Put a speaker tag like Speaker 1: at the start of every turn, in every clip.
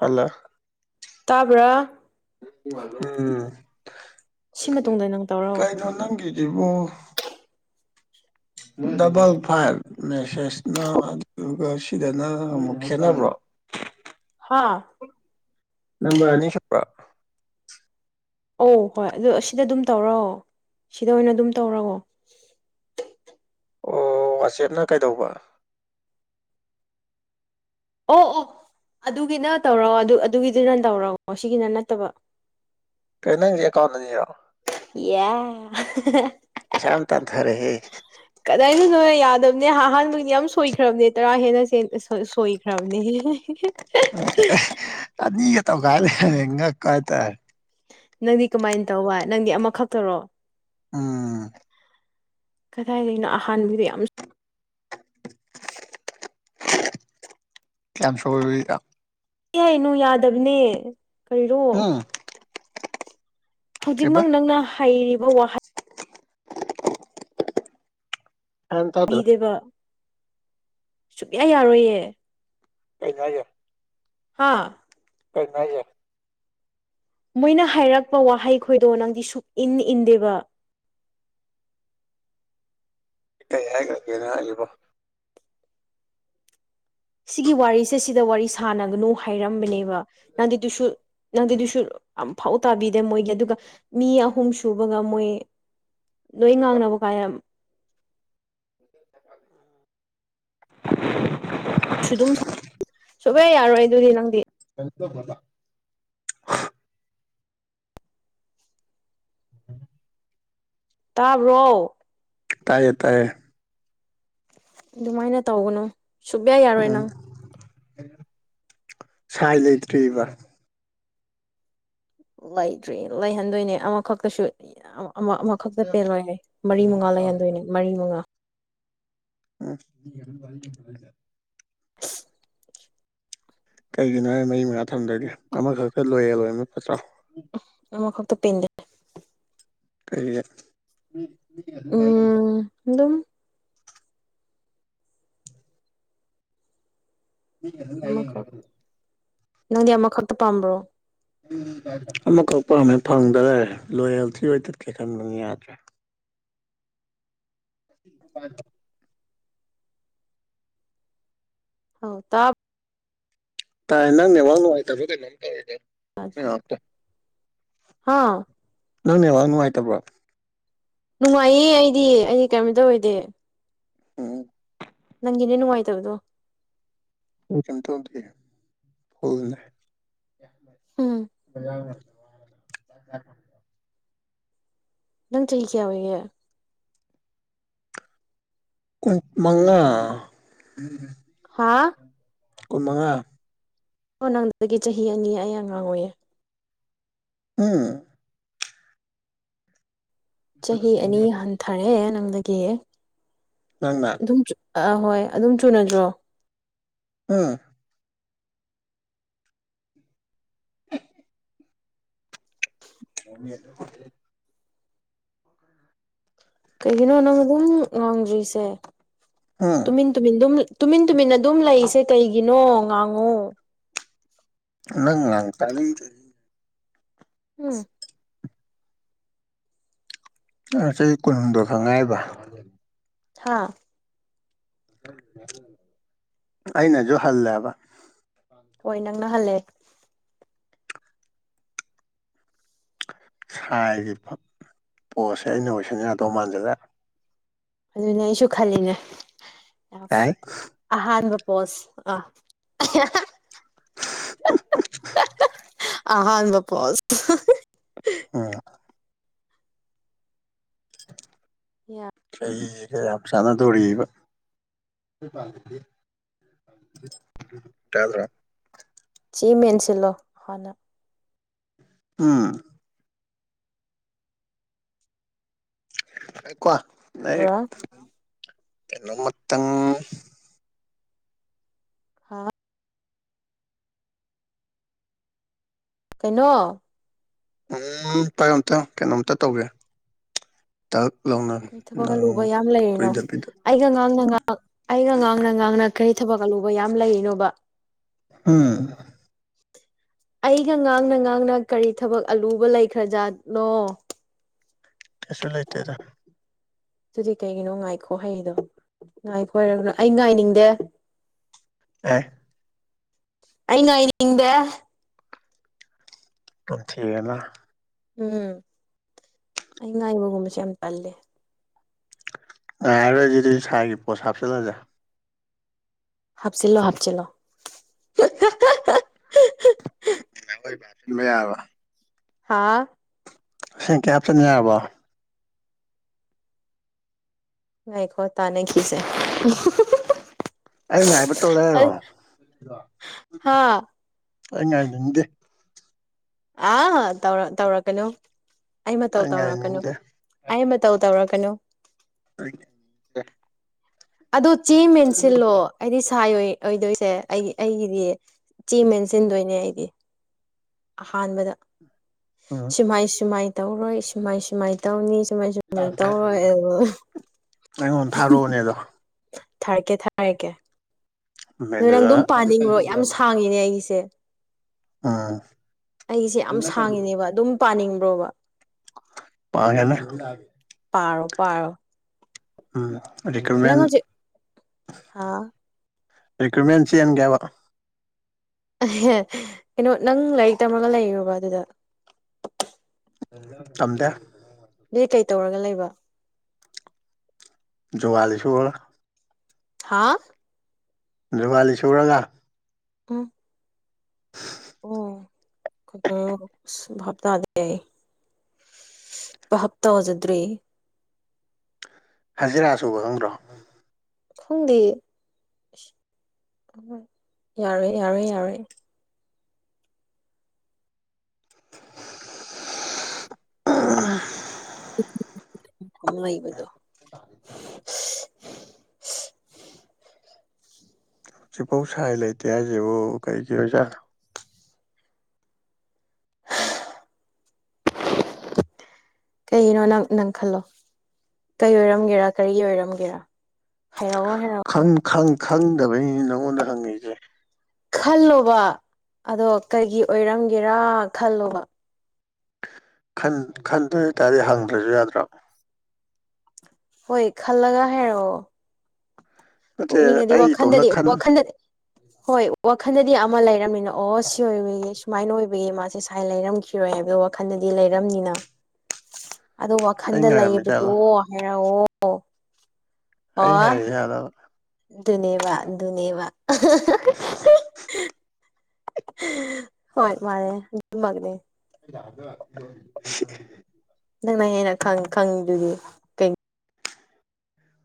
Speaker 1: ꯍꯜꯂ
Speaker 2: ꯇꯥꯕ꯭ꯔꯥ
Speaker 1: ꯎꯝ
Speaker 2: ꯁꯤ ꯃꯇꯨꯡꯗ ꯅꯪ ꯇꯧꯔꯣ
Speaker 1: ꯀꯩꯅꯣ ꯅꯪꯒꯤꯗꯨꯕꯨ ꯗꯕꯜ ꯐꯥꯏꯚ ꯃꯦꯁꯦꯁꯅ ꯑꯗꯨꯒ ꯁꯤꯗꯅ ꯑꯃꯨꯛ ꯈꯦꯠꯅꯕ꯭ꯔꯣ
Speaker 2: ꯍꯥ
Speaker 1: ꯅꯝꯕꯔ ꯑꯅꯤ ꯁꯨꯄ꯭ꯔꯥ
Speaker 2: ꯑꯣ ꯍꯣꯏ ꯑꯗꯨ ꯑꯁꯤꯗ ꯗꯨꯝ ꯇꯧꯔꯣ ꯁꯤꯗ ꯑꯣꯏꯅ ꯗꯨꯝ ꯇꯧꯔꯑꯣ
Speaker 1: ꯑꯣ ꯋꯥꯆꯦꯞꯅ ꯀꯩꯗꯧꯕ
Speaker 2: ꯑꯣ ꯑꯣ ꯑꯗꯨꯒꯤꯅ ꯇꯧꯔꯣ ꯑꯗꯨ ꯑꯗꯨꯒꯤꯗꯨꯅ ꯇꯧꯔꯛꯑꯣ ꯁꯤꯒꯤꯅ ꯅꯠꯇꯕ
Speaker 1: ꯀꯩ ꯅꯪ ꯑꯦꯀꯥꯎꯟ ꯑꯅꯤꯔꯣ
Speaker 2: ꯌꯥ [unintelligible]
Speaker 1: ꯄꯩꯁꯥ ꯌꯥꯝ ꯇꯥꯟꯊꯔꯦꯍꯦ
Speaker 2: ꯀꯗꯥꯏꯗꯅꯣꯍꯦ ꯌꯥꯗꯝꯅꯦ ꯑꯍꯥꯟꯕꯒꯤ ꯌꯥꯝ ꯁꯣꯏꯈ꯭ꯔꯝꯅꯦ ꯇꯔꯥ ꯍꯦꯟꯅ ꯁꯦꯡ ꯑ ꯁꯣꯢ ꯁꯣꯏꯈ꯭ꯔꯝꯅꯦ [unintelligible]
Speaker 1: [unintelligible] ꯑꯅꯤꯒ ꯇꯧꯒꯥꯏ ꯂꯩꯔꯝꯃꯦ ꯉꯛꯄ ꯍꯥꯏꯇꯔꯦ
Speaker 2: ꯅꯪꯗꯤ ꯀꯃꯥꯏꯅ ꯇꯧꯕ ꯅꯪꯗꯤ ꯑꯃꯈꯛꯇꯔꯣ
Speaker 1: ꯎꯝ
Speaker 2: ꯀꯗꯥꯏꯗꯩꯅꯣ ꯑꯍꯥꯟꯕꯗꯤ ꯌꯥꯝ
Speaker 1: [unintelligible] ꯀꯌꯥꯝ ꯁꯣꯢꯔꯨꯅꯣ
Speaker 2: ꯑꯦ ꯅꯣ ꯌꯥꯗꯝꯅꯦ [unintelligible]
Speaker 1: ꯎꯝ ꯀꯩꯕ
Speaker 2: ꯍꯧꯖꯤꯛꯃꯛ ꯅꯪꯅ ꯍꯩꯔꯤꯕ ꯋꯥꯍꯩ
Speaker 1: [inaudible] ꯒ꯭ꯌꯥꯟ ꯇꯥꯗ꯭ꯔꯦ
Speaker 2: ꯄꯤꯗ꯭ꯔꯤꯕ ꯁꯨꯛꯌꯥ ꯌꯥꯔꯣꯏꯌꯦ
Speaker 1: ꯀꯩꯅꯣ ꯍꯥꯢꯁꯦ
Speaker 2: ꯍꯥꯥ
Speaker 1: [unintelligible]
Speaker 2: ꯃꯣꯏꯅ ꯍꯥꯏꯔꯛꯄ ꯋꯥꯍꯩ ꯈꯣꯏꯗꯣ ꯅꯪꯗꯤ ꯁꯨꯛ ꯏꯟ ꯏꯟꯗꯦꯕ
Speaker 1: ꯀꯩ ꯍꯥꯏꯈ꯭ꯔꯒꯦꯅꯦ ꯑꯩꯕꯣ
Speaker 2: ꯁꯤꯒꯤ ꯋꯥꯔꯤꯁꯦ ꯁꯤꯗ ꯋꯥꯔꯤ ꯁꯥꯟꯅꯒꯅꯨ ꯍꯥꯏꯔꯝꯕꯅꯦꯕ ꯅꯪꯗꯤ ꯗꯨꯁꯨ ꯅꯪꯗꯤ ꯗꯨꯁꯨ ꯑꯝꯐꯧ ꯇꯥꯕꯤꯗꯦ ꯃꯣꯏꯒꯤ ꯑꯗꯨꯒ ꯃꯤ ꯑꯍꯨꯝ ꯁꯨꯕꯒ ꯃꯣꯏ ꯂꯣꯏ ꯉꯥꯡꯅꯕ ꯀꯥꯌꯝ
Speaker 1: [inaudible]
Speaker 2: [unintelligible] ꯁꯨꯞꯌꯥ ꯌꯥꯔꯣꯏ ꯑꯗꯨꯗꯤ ꯅꯪꯗꯤ
Speaker 1: [unintelligible] [inaudible]
Speaker 2: ꯇꯥꯕ꯭ꯔꯣ
Speaker 1: ꯇꯥꯏꯌꯦ ꯇꯥꯢꯌꯦ
Speaker 2: ꯑꯗꯨꯃꯥꯏꯅ ꯇꯧꯒꯅꯨ ꯁꯨꯞꯌꯥ ꯌꯥꯔꯣꯏ
Speaker 1: ꯎꯝ
Speaker 2: ꯅꯪ
Speaker 1: ꯁꯥꯏ ꯂꯩꯇ꯭ꯔꯤꯕ
Speaker 2: ꯂꯩꯇ꯭ꯔꯤ ꯂꯩꯍꯟꯗꯣꯏꯅꯦ ꯑꯃꯈꯛꯇꯁꯨ ꯌꯥꯝ ꯑꯃ ꯑꯃꯈꯛꯇ ꯄꯦꯜꯂꯣꯢꯅꯦ ꯃꯔꯤ ꯃꯉꯥ ꯂꯩꯍꯟꯗꯣꯏꯅꯤ ꯃꯔꯤ ꯃꯉꯥ
Speaker 1: ꯎꯝ ꯀꯩꯒꯤꯅꯣꯍꯦ ꯃꯔꯤ ꯃꯉꯥ ꯊꯝꯗꯣꯢꯗꯤ ꯑꯃꯈꯛꯇ ꯂꯣꯏꯌꯦꯜ ꯑꯣꯏꯕꯅ ꯐꯠꯇ꯭ꯔꯣ
Speaker 2: ꯑꯃ ꯈꯛꯇ ꯄꯦꯟꯗꯦ
Speaker 1: ꯀꯩꯒꯤ [unintelligible]
Speaker 2: ꯗꯨꯝ ꯑꯃꯈꯛ ꯅꯪꯗꯤ ꯑꯃꯈꯛꯇ ꯄꯥꯝꯕ꯭ꯔꯣ
Speaker 1: ꯑꯃꯈꯛ ꯄꯥꯝꯃꯦ ꯐꯪꯗ ꯂꯩꯔꯦ ꯂꯣꯌꯦꯜ ꯊꯤ ꯑꯣꯏ ꯊꯠꯀꯦ ꯈꯟꯕꯅꯤ ꯌꯥꯗ꯭ꯔꯦ [inaudible]
Speaker 2: ꯑꯥꯎ ꯇꯥꯞ
Speaker 1: ꯇꯥꯏ ꯅꯪ ꯅꯦꯠꯋꯥꯛ ꯅꯨꯉꯥꯏꯇꯕ꯭ꯔꯥ ꯀꯩꯅꯣꯝ
Speaker 2: ꯌꯥꯗ꯭ꯔꯦ
Speaker 1: ꯇꯧꯋꯤꯗꯥ [unintelligible]
Speaker 2: ꯍꯥ
Speaker 1: ꯅꯪ ꯅꯦꯋꯥꯛ ꯅꯨꯡꯉꯥꯏꯇꯕ꯭ꯔꯣ
Speaker 2: ꯅꯨꯡꯉꯥꯏꯌꯦ ꯑꯩꯗꯤ ꯑꯩ ꯀꯩꯝꯇ ꯑꯣꯏꯗꯦ
Speaker 1: ꯎꯝ
Speaker 2: ꯅꯪꯒꯤꯅꯦ ꯅꯨꯡꯉꯥꯏꯇꯕꯗꯣ
Speaker 1: ꯑꯩ ꯀꯩꯝ ꯇꯧꯗꯦ ꯐꯨꯜꯅꯦ [inaudible]
Speaker 2: ꯎꯝ ꯅꯪ ꯆꯍꯤ ꯀꯌꯥ ꯑꯣꯏꯒꯦ
Speaker 1: ꯀꯨꯟ ꯃꯉꯥ
Speaker 2: ꯍꯥꯥ
Speaker 1: ꯀꯨꯟꯃꯉꯥ
Speaker 2: ꯑꯣ ꯅꯪꯗꯒꯤ ꯆꯍꯤ ꯑꯅꯤ ꯑꯩ ꯑꯉꯥꯡ ꯑꯣꯏꯌꯦ
Speaker 1: ꯎꯝ
Speaker 2: ꯆꯍꯤ ꯑꯅꯤ ꯍꯟꯊꯔꯦ ꯅꯪꯗꯒꯤ
Speaker 1: ꯅꯪꯅ
Speaker 2: ꯑꯗꯨꯝ ꯑꯥ ꯍꯣꯏ ꯑꯗꯨꯝ ꯆꯨꯅꯗ꯭ꯔꯣ
Speaker 1: ꯎꯝ [inaudible]
Speaker 2: ꯀꯩꯒꯤꯅꯣ ꯅꯪ ꯒꯨꯝ ꯉꯥꯡꯗ꯭ꯔꯤꯁꯦ
Speaker 1: ꯎꯝ
Speaker 2: ꯇꯨꯃꯤꯟ ꯇꯨꯃꯤꯟ ꯑꯗꯨꯝ ꯇꯨꯃꯤꯟ ꯇꯨꯃꯤꯟ ꯑꯗꯨꯝ ꯂꯩꯁꯦ ꯀꯩꯒꯤꯅꯣ ꯉꯥꯡꯉꯣ
Speaker 1: ꯅꯪ ꯉꯥꯡ ꯇꯥꯅꯤꯡꯗꯦ
Speaker 2: ꯎꯝ
Speaker 1: ꯅꯪ ꯆꯍꯤ ꯀꯨꯟꯍꯨꯝꯗꯣꯏ ꯈꯛ ꯉꯥꯏꯔꯥꯕ
Speaker 2: ꯍꯥ
Speaker 1: ꯑꯩꯩꯅꯁꯨ ꯍꯜꯂꯦꯕ
Speaker 2: ꯍꯣꯏ ꯅꯪꯅ ꯍꯜꯂꯦ
Speaker 1: ꯁꯥꯏꯒꯤ ꯄꯣꯁꯁꯦ ꯑꯩꯅ ꯑꯣꯏꯁꯤꯟ ꯌꯥꯗꯧ ꯃꯥꯟꯖꯤꯂꯛꯑꯦ
Speaker 2: ꯑꯗꯨꯅꯦ ꯑꯩꯁꯨ ꯈꯜꯂꯤꯅꯦ
Speaker 1: ꯌꯥꯏ
Speaker 2: ꯑꯍꯥꯟꯕꯥ ꯄꯣꯁ ꯑꯥ ꯑꯍꯥꯟꯕ ꯄꯣꯁ
Speaker 1: ꯎꯝ [inaudible]
Speaker 2: ꯌꯥ
Speaker 1: ꯑꯩꯒꯥ ꯌꯥꯝ ꯆꯥꯅꯗꯣꯔꯤꯕ ꯇꯥꯕ꯭ꯔꯥ
Speaker 2: ꯆꯤ ꯃꯦꯟꯁꯤꯜꯂꯣ ꯍꯥꯟꯅ
Speaker 1: ꯎꯝ
Speaker 2: ꯄꯨꯔꯥ
Speaker 1: ꯂꯩꯌꯨꯀꯣ ꯀꯩꯅꯣꯃꯇꯪ
Speaker 2: ꯍꯥꯥ ꯀꯩꯅꯣ
Speaker 1: ꯎꯝ ꯄꯥꯌꯣ ꯑꯝꯇꯪ ꯀꯩꯅꯣꯝꯇ ꯇꯧꯒꯦ ꯇꯛ ꯂꯥꯎꯅ
Speaker 2: ꯀꯩ ꯊꯕꯛ ꯑꯂꯨꯕ
Speaker 1: ꯅꯪ
Speaker 2: ꯌꯥꯝ ꯂꯩꯔꯤꯅꯣ
Speaker 1: ꯀꯨꯏꯗꯕꯤꯗ
Speaker 2: ꯑꯩꯒ ꯉꯥꯡꯅ ꯉꯥꯡ ꯑꯩꯒ ꯉꯥꯡꯅ ꯉꯥꯡꯅ ꯀꯔꯤ ꯊꯕꯛ ꯑꯂꯨꯕ ꯌꯥꯝ ꯂꯩꯔꯤꯅꯣꯕ
Speaker 1: ꯎꯝ
Speaker 2: ꯑꯩꯒ ꯉꯥꯡꯅ ꯉꯥꯡꯅ ꯀꯔꯤ ꯊꯕꯛ ꯑꯂꯨꯕ ꯂꯩꯈ꯭ꯔꯖꯥꯠꯅꯣ
Speaker 1: ꯀꯩꯁꯨ ꯂꯩꯇꯦꯗꯥ
Speaker 2: ꯑꯗꯨꯗꯤ ꯀꯩꯒꯤꯅꯣ ꯉꯥꯏꯈꯣ ꯍꯥꯏꯔꯤꯗꯣ ꯉꯥꯏꯈꯣ ꯍꯥꯏꯔꯒ ꯑꯩ ꯉꯥꯏꯅꯤꯡꯗꯦ
Speaker 1: ꯑꯦ
Speaker 2: ꯑꯩ ꯉꯥꯢꯅꯤꯡꯗꯦ
Speaker 1: [unintelligible] ꯊꯤꯔꯦꯅ
Speaker 2: ꯎꯝ ꯑꯩ ꯉꯥꯏꯕꯒꯨꯝꯕꯁꯦ ꯌꯥꯝ ꯇꯜꯂꯦ
Speaker 1: ꯉꯥꯢꯔꯔꯣꯢ ꯑꯗꯨꯗꯤ ꯁꯥꯢꯒꯤ ꯄꯣꯁꯠ ꯍꯥꯞꯆꯤꯜꯂꯁꯦ
Speaker 2: ꯍꯥꯞꯆꯤꯜꯂꯣ ꯍꯥꯞꯆꯤꯜꯂꯣ
Speaker 1: [unintelligible] ꯁꯤꯟꯕ ꯌꯥꯔꯕ
Speaker 2: ꯍꯥꯥ
Speaker 1: ꯑꯁꯦꯡꯀꯤ ꯍꯥꯞꯆꯤꯟ ꯌꯥꯔꯕꯣ
Speaker 2: ꯉꯥꯏꯈꯣ ꯇꯥꯟꯅꯈꯤꯁꯦ
Speaker 1: ꯑꯩ ꯉꯥꯏꯕ ꯇꯜꯂꯦ ꯍꯥꯢꯔꯣ
Speaker 2: ꯑꯩ ꯍꯥ
Speaker 1: ꯑꯩ ꯉꯥꯏꯅꯤꯡꯗꯦ
Speaker 2: ꯑ ꯇꯧ ꯇꯧꯔꯛꯀꯅꯨ ꯑꯩ ꯃꯇꯧ ꯇꯧꯔꯛꯀꯅꯨ ꯑꯩ ꯃ ꯇꯧ ꯇꯧꯔꯛꯀꯅꯨ
Speaker 1: [inaudible]
Speaker 2: ꯑꯗꯣ ꯆꯦꯡ ꯃꯦꯟꯁꯤꯜꯂꯣ ꯑꯩꯗꯤ ꯁꯥꯏ ꯑꯣꯏꯗꯣꯏꯁꯦ ꯑꯩꯒꯤ ꯑꯩꯒꯤꯗꯤ ꯆꯦ ꯃꯦꯟꯁꯤꯟꯗꯣꯏꯅꯦ ꯑꯩꯗꯤ ꯑꯍꯥꯟꯕꯗ
Speaker 1: ꯎꯝ
Speaker 2: ꯁꯨꯃꯥꯏ ꯁꯨꯃꯥꯏꯅ ꯇꯧꯔꯣꯏ ꯁꯨꯃꯥꯏ ꯁꯨꯃꯥꯏ ꯇꯧꯅꯤ ꯁꯨꯃꯥꯏ ꯁꯨꯃꯥꯏꯅ ꯇꯧꯔꯣꯏ ꯑꯗꯨꯕꯨ
Speaker 1: ꯑꯩꯉꯣꯟꯗ ꯊꯥꯔꯛꯑꯣꯅꯦ ꯑꯗꯣ
Speaker 2: ꯊꯥꯔꯛꯀꯦ ꯊꯥꯔꯛꯀꯦ ꯑꯗꯣ ꯅꯪ ꯑꯗꯨꯝ
Speaker 1: ꯃꯦꯅꯦꯖꯔ
Speaker 2: ꯄꯥꯅꯤꯡꯕ꯭ꯔꯣ ꯌꯥꯝ ꯁꯥꯡꯉꯤꯅꯦ ꯑꯩꯒꯤꯁꯦ
Speaker 1: ꯑꯝ
Speaker 2: ꯑꯩꯁꯦ ꯌꯥꯝ ꯁꯥꯡꯉꯤꯅꯦꯕ ꯑꯗꯨꯝ ꯄꯥꯅꯤꯡꯕ꯭ꯔꯣꯕ
Speaker 1: ꯄꯥꯒꯦꯅꯦ
Speaker 2: ꯄꯥꯔꯣ ꯄꯥꯔꯣ
Speaker 1: ꯎꯝ ꯔꯤꯀꯃꯦꯟ
Speaker 2: ꯅꯪ ꯍꯧꯖꯤꯛ ꯍꯥ
Speaker 1: ꯔꯤꯀ꯭ꯔꯨꯠꯃꯦꯟ ꯆꯦꯟꯒꯦꯕ
Speaker 2: ꯑꯍꯦ ꯀꯩꯅꯣ ꯅꯪ ꯂꯥꯏꯔꯤꯛ ꯇꯝꯃꯒ ꯂꯩꯔꯣꯕ ꯑꯗꯨꯗ
Speaker 1: ꯇꯝꯗꯦ
Speaker 2: ꯑꯗꯨꯗꯤ ꯀꯩ ꯇꯧꯔꯒ ꯂꯩꯕ
Speaker 1: ꯖꯨꯒꯥꯂꯤ ꯁꯨꯔꯒ
Speaker 2: ꯍꯥꯥ
Speaker 1: ꯖꯨꯒꯂꯤ ꯁꯨꯔꯒ
Speaker 2: ꯎꯝ ꯑꯣ ꯀꯣ ꯚꯥꯞꯇꯥꯗꯦ ꯑꯩ ꯚꯥꯞ ꯇꯥꯖꯗ꯭ꯔꯦ
Speaker 1: ꯍꯖꯤꯔꯥ ꯁꯨꯕ ꯈꯪꯗ꯭ꯔꯣ
Speaker 2: ꯈꯪꯗꯦ ꯌꯥꯔꯦ ꯌꯥꯔꯦ ꯌꯥꯔꯦ
Speaker 1: [inaudible] ꯑꯥ [unintelligible]
Speaker 2: ꯂꯩꯕꯗꯨ
Speaker 1: ꯍꯧꯖꯤꯛꯐꯧ ꯁꯥꯏ ꯂꯩꯇꯦ ꯍꯥꯏꯁꯤꯕꯨ ꯀꯩꯒꯤ ꯑꯣꯏꯖꯥꯠꯅꯣ
Speaker 2: ꯀꯩꯒꯤꯅꯣ ꯅꯪ ꯅꯪ ꯈꯜꯂꯣ ꯀꯩ ꯑꯣꯏꯔꯝꯒꯦꯔꯥ ꯀꯔꯤ ꯑꯣꯏꯔꯝꯒꯦꯔꯥ ꯍꯥꯏꯔꯛꯑꯣ ꯍꯥꯏꯔꯛꯑꯣ
Speaker 1: ꯈꯪꯗꯕꯅꯤꯅꯤ ꯅꯪꯉꯣꯟꯗ ꯍꯪꯉꯏꯖꯦ
Speaker 2: ꯈꯜꯂꯣꯕ ꯑꯗꯣ ꯀꯩꯒꯤ ꯑꯣꯏꯔꯝꯒꯦꯔꯥ ꯈꯜꯂꯣꯕ
Speaker 1: ꯈꯟ ꯈꯟꯗꯣꯇꯥꯔꯗꯤ ꯍꯪꯗ꯭ꯔꯁꯨ ꯌꯥꯗ꯭ꯔꯣ
Speaker 2: ꯍꯣꯏ ꯈꯜꯂꯒ ꯍꯥꯏꯔꯣ
Speaker 1: ꯅꯠꯇꯦ
Speaker 2: ꯄꯨꯛꯅꯤꯡꯉꯗꯤ
Speaker 1: ꯑꯩ ꯏꯇꯣꯝꯇ
Speaker 2: ꯋꯥꯈꯜꯗꯗꯤ
Speaker 1: ꯈꯟ
Speaker 2: ꯋꯥꯈꯟꯗꯗꯤ ꯍꯣꯏ ꯋꯥꯈꯜꯗꯗꯤ ꯑꯃ ꯂꯩꯔꯝꯃꯤꯅ ꯑꯣ ꯁꯤ ꯑꯣꯏꯕꯌꯦ ꯁꯨꯃꯥꯏꯅ ꯑꯣꯏꯕꯒꯤ ꯃꯥꯁꯦ ꯥꯏ ꯂꯩꯔꯝꯈꯤꯔꯣꯏ ꯍꯥꯏꯕꯒꯤ ꯋꯥꯈꯜꯗꯗꯤ ꯂꯩꯔꯝꯅꯤꯅ ꯑꯗꯣ
Speaker 1: ꯑꯩ
Speaker 2: ꯋꯥꯈꯟꯗ
Speaker 1: ꯉꯥꯏꯔꯝꯃꯤꯖꯥꯠꯂꯣ
Speaker 2: ꯂꯩꯕꯗꯣ ꯍꯥꯏꯔꯛꯑꯣ
Speaker 1: ꯑꯩ ꯉꯥꯏꯔꯤꯖꯥꯠꯂꯕ
Speaker 2: ꯑꯣ ꯑꯗꯨꯅꯦꯕ ꯅꯦꯕ
Speaker 1: [inaudible]
Speaker 2: ꯍꯣꯏ ꯃꯥꯔꯦ ꯑꯗꯨ ꯃꯛꯅꯦ
Speaker 1: [unintelligible]
Speaker 2: ꯅꯪꯅ ꯍꯦꯟꯅ ꯈꯪꯉꯤꯗꯨꯗꯤ ꯀꯩ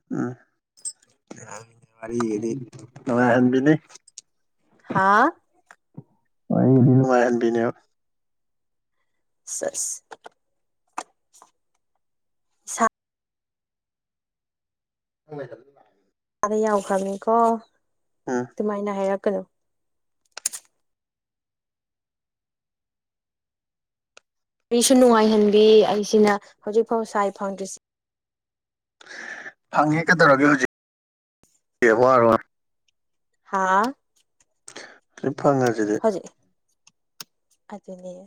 Speaker 1: [unintelligible]
Speaker 2: ꯍꯥꯥ
Speaker 1: ꯋꯥꯔꯤꯗꯤ ꯅꯨꯡꯉꯥꯏ ꯍꯟꯕꯤꯅꯦꯕ
Speaker 2: [unintelligible] ꯁꯥ
Speaker 1: [unintelligible]
Speaker 2: ꯑꯥꯗ ꯌꯥꯎꯈ꯭ꯔꯕꯅꯤꯀꯣ
Speaker 1: ꯎꯝ
Speaker 2: ꯑꯗꯨꯃꯥꯏꯅ ꯍꯥꯏꯔꯛꯀꯅꯨ ꯃꯤꯁꯨ ꯅꯨꯡꯉꯥꯏꯍꯟꯕꯤ ꯑꯩꯁꯤꯅ ꯍꯧꯖꯤꯛꯐꯥꯎ ꯁꯥꯏ ꯐꯪꯗ꯭ꯔꯤꯁꯤ
Speaker 1: ꯐꯪꯉꯤ ꯀꯩꯗꯧꯔꯒꯦ ꯍꯧꯖꯤꯛꯔ
Speaker 2: ꯍꯥꯥ
Speaker 1: ꯍꯧꯖꯤꯛ ꯐꯪꯉꯁꯤꯗꯤ
Speaker 2: ꯑꯗꯨꯅꯤ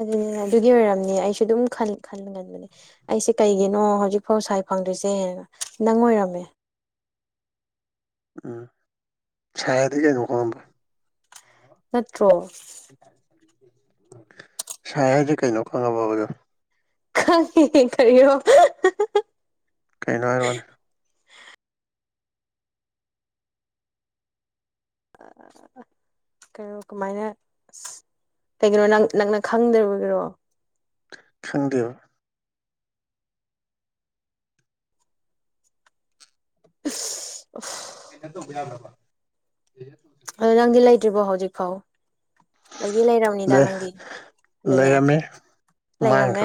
Speaker 2: ꯑꯗꯨꯅꯤ ꯑꯗꯨꯒꯤ ꯑꯣꯏꯔꯝꯅꯦ ꯑꯩꯁꯨ ꯑꯗꯨꯝ ꯈꯟꯒꯟꯕꯅꯦ ꯑꯩꯁꯦ ꯀꯩꯒꯤꯅꯣ ꯍꯧꯖꯤꯛꯐꯥꯎ ꯁꯥꯏ ꯐꯪꯗꯣꯏꯁꯦ ꯅꯪ ꯑꯣꯏꯔꯝꯃꯦ
Speaker 1: ꯎꯝ ꯁꯥꯏꯗꯤ ꯀꯩꯅꯣ ꯈꯪꯉꯕꯣ
Speaker 2: ꯅꯠꯇ꯭ꯔꯣ
Speaker 1: ꯁꯥꯏ ꯍꯥꯏꯖꯦ ꯀꯩꯅꯣ ꯈꯪꯉꯕꯕ ꯑꯗꯣ
Speaker 2: ꯈꯪꯉꯦ ꯀꯔꯤꯔꯣ
Speaker 1: ꯀꯩꯅꯣ ꯍꯥꯏ ꯑꯣꯏꯔꯛꯑꯣꯅꯦ
Speaker 2: ꯑꯥ ꯀꯩꯅꯣ ꯀꯃꯥꯏꯅ ꯑꯥ ꯀꯩꯒꯤꯅꯣ ꯅꯪ ꯅꯪꯅ ꯈꯪꯗ꯭ꯔꯔꯤꯕꯒꯤꯔꯣ
Speaker 1: ꯈꯪꯗꯦꯕꯥ
Speaker 2: ꯑꯁ
Speaker 1: [unintelligible]
Speaker 2: ꯑꯗꯣ ꯅꯪꯗꯤ ꯂꯩꯇ꯭ꯔꯤꯕꯣ ꯍꯧꯖꯤꯛ ꯐꯥꯎ ꯂꯩꯗꯤ ꯂꯩꯔꯔꯝꯅꯤꯗ
Speaker 1: ꯂꯩ
Speaker 2: ꯅꯪꯗꯤ ꯑꯗꯨꯅꯦ ꯂꯩꯔꯝꯃꯦ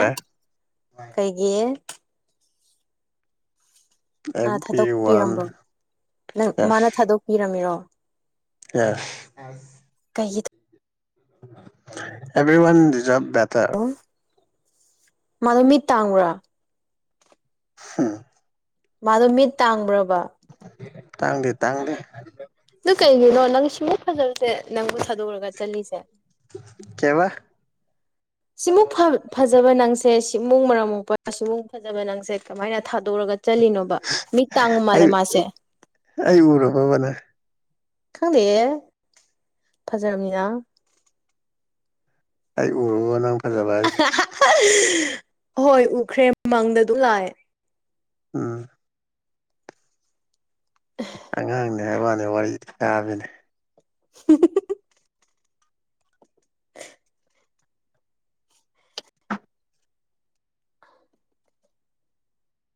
Speaker 2: ꯀꯩꯒꯤ ꯃꯥꯅ ꯊꯥꯗꯣꯛꯄꯤꯔꯝꯕ꯭ꯔꯣ ꯅꯪ ꯃꯥꯅ ꯊꯥꯗꯣꯛꯄꯤꯔꯝꯃꯤꯔꯣ
Speaker 1: ꯌꯦꯁ
Speaker 2: ꯀꯩꯒꯤ
Speaker 1: ꯑꯦꯚ꯭ꯔꯤ ꯋꯥꯟ ꯗꯤꯖꯔꯚ ꯕꯦꯇꯔ
Speaker 2: ꯃꯥꯗꯨ ꯃꯤ ꯇꯥꯡꯕ꯭ꯔ
Speaker 1: ꯍꯝ
Speaker 2: ꯃꯥꯗꯣ ꯃꯤꯠ ꯇꯥꯡꯕ꯭ꯔꯕ
Speaker 1: ꯇꯥꯡꯗꯦ ꯇꯥꯡꯗꯦ
Speaker 2: ꯑꯗꯨ ꯀꯩꯒꯤꯅꯣ ꯅꯪ ꯁꯤꯃꯨꯛ ꯐꯖꯕꯁꯦ ꯅꯪꯕꯨ ꯊꯥꯗꯣꯛꯔꯒ ꯆꯠꯂꯤꯁꯦ
Speaker 1: ꯀꯩꯕꯥ
Speaker 2: ꯁꯤꯃꯨꯛ ꯐꯕ ꯐꯖꯕ ꯅꯪꯁꯦ ꯁꯤꯃꯨꯡ ꯃꯔꯝ ꯃꯛꯄ ꯁꯤꯃꯨꯡ ꯐꯖꯕ ꯅꯪꯁꯦ ꯀꯃꯥꯏꯅ ꯊꯥꯗꯣꯛꯔꯒ ꯆꯠꯂꯤꯅꯣꯕ ꯃꯤꯠ ꯇꯥꯡꯕ ꯃꯥꯜꯂꯦ
Speaker 1: ꯑꯩ
Speaker 2: ꯃꯥꯁꯦ
Speaker 1: ꯑꯩ ꯎꯔꯕꯕ ꯅꯪ
Speaker 2: ꯈꯪꯗꯦꯌꯦ ꯐꯖꯔꯝꯃꯤꯅ
Speaker 1: ꯑꯩ ꯎꯔꯕꯣ ꯅꯪ ꯐꯖꯕ ꯍꯥꯏꯁꯦ
Speaker 2: ꯑꯍꯥ ꯍꯥ ꯍꯣꯏ ꯎꯈ꯭ꯔꯦ ꯃꯪꯗ ꯑꯗꯨꯝ ꯂꯥꯛꯑꯦ
Speaker 1: ꯎꯝ
Speaker 2: ꯑꯍ
Speaker 1: ꯑꯉꯥꯡꯅꯤ ꯍꯥꯏꯕꯋꯥꯅꯤ ꯋꯥꯔꯤ ꯇꯥꯕꯅꯤ
Speaker 2: ꯍꯥ ꯍꯥ ꯍ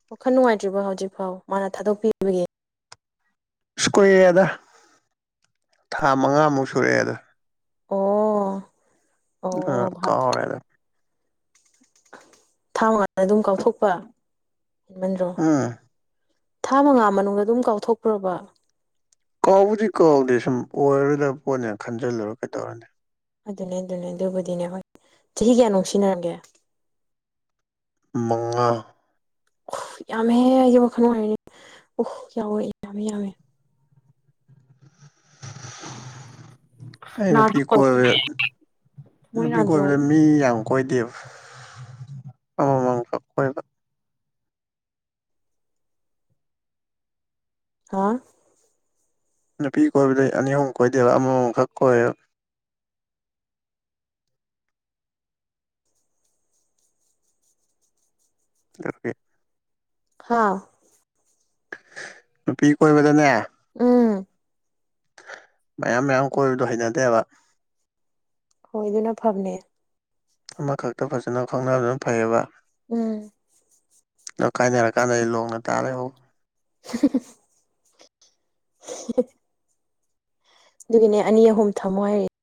Speaker 2: ꯋꯥꯈꯜ ꯅꯨꯡꯉꯥꯏꯇ꯭ꯔꯤꯕꯣ ꯍꯧꯖꯤꯛꯐꯥꯎ ꯃꯥꯅ ꯊꯥꯗꯣꯛꯄꯤꯕꯒꯤ
Speaker 1: ꯁꯀꯨꯏꯔꯦꯗ ꯊꯥ ꯃꯉꯥꯃꯨꯛ ꯁꯨꯔꯛꯑꯦꯗ
Speaker 2: ꯑꯣ
Speaker 1: ꯎ
Speaker 2: ꯑꯣ ꯚꯥꯞ
Speaker 1: ꯀꯥꯎꯔꯦꯗ
Speaker 2: ꯊꯥ [unintelligible] ꯑꯗꯨꯝ ꯀꯥꯎꯊꯣꯛꯄ ꯍꯦꯟꯃꯟꯗ꯭ꯔꯣ
Speaker 1: ꯎꯝ
Speaker 2: ꯊꯥ ꯃꯉꯥ ꯃꯅꯨꯡꯗ ꯑꯗꯨꯝ ꯀꯥꯎꯊꯣꯛꯄ꯭ꯔꯣꯕ
Speaker 1: ꯀꯥꯎꯕꯨꯗꯤ ꯀꯥꯎꯗꯦ ꯁꯨꯝ ꯑꯣꯏꯔꯣꯏꯗꯕ ꯄꯣꯠꯅꯦ ꯈꯟꯖꯤꯜꯂꯨꯔ ꯀꯩꯗꯧꯔꯨꯅꯤ
Speaker 2: ꯑꯗꯨꯅꯦ ꯑꯗꯨꯅꯦ ꯑꯗꯨꯕꯨꯗꯤꯅꯦ ꯍꯣꯏ ꯆꯍꯤ ꯀꯌꯥ ꯅꯨꯡꯁꯤꯟꯅꯔꯝꯒꯦ
Speaker 1: ꯃꯉꯥ
Speaker 2: ꯎꯍ ꯌꯥꯝꯃꯦꯍ ꯑꯩꯒꯤ ꯋꯥꯈꯜ [unintelligible] ꯎꯍ ꯌꯥꯎꯋꯦ ꯌꯥꯝꯃꯦ ꯌꯥꯝꯃꯦ
Speaker 1: ꯑꯩ ꯅꯨꯄꯤ
Speaker 2: ꯅꯥꯗ꯭ꯔꯣ
Speaker 1: ꯀꯣꯏꯕ
Speaker 2: ꯊꯃꯣꯏ
Speaker 1: ꯅꯨꯄꯤ
Speaker 2: ꯅꯥꯗ꯭ꯔꯣ
Speaker 1: ꯀꯣꯏꯕꯗ ꯃꯤ ꯌꯥꯝ ꯀꯣꯏꯗꯦꯕ ꯑꯃꯃꯝ ꯈꯛ ꯀꯣꯏꯕ
Speaker 2: ꯍꯥꯥ
Speaker 1: ꯅꯨꯄꯤ ꯀꯣꯏꯕꯗ ꯑꯅꯤ ꯑꯍꯨꯝ ꯀꯣꯏꯗꯦꯕ ꯑꯃꯃꯝꯈꯛ ꯀꯣꯏꯕ ꯑꯗꯨꯒꯤ
Speaker 2: ꯍꯥꯥ
Speaker 1: ꯅꯨꯄꯤ ꯀꯣꯏꯕꯗꯅꯦ
Speaker 2: ꯎꯨꯝ
Speaker 1: ꯃꯌꯥꯝ ꯃꯌꯥꯝ ꯀꯣꯏꯕꯗꯣ ꯍꯩꯅꯗꯦꯕ
Speaker 2: ꯍꯣꯏ ꯗꯨꯅ ꯐꯕꯅꯦ
Speaker 1: ꯑꯃꯈꯛꯇ ꯐꯖꯅ ꯈꯪꯅꯕꯗꯨꯅ ꯐꯩꯌꯦꯕ
Speaker 2: ꯎꯨꯝ
Speaker 1: ꯗꯨ ꯀꯥꯏꯅꯔꯀꯥꯟꯗ ꯑꯩ ꯂꯣꯡꯅ ꯇꯥꯔ ꯂꯩꯍꯧ
Speaker 2: ꯍꯥ ꯍꯥ ꯍ ꯍꯥ ꯍꯥꯍꯥ ꯑꯗꯨꯒꯤꯅꯦ ꯑꯅꯤ ꯑꯍꯨꯝ ꯊꯝꯃꯣ ꯍꯥꯏꯔꯤ